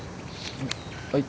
はい。